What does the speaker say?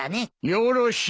よろしい。